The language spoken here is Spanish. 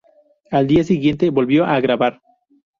Al día siguiente, volvió a grabar.